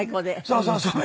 そうそう。